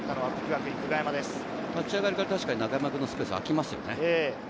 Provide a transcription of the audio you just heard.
立ち上がりから中山君のスペースあきますよね。